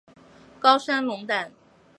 高山龙胆